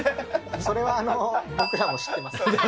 それはあの、僕らも知ってます。